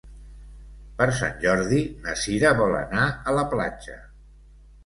Per Sant Jordi na Cira vol anar a la platja.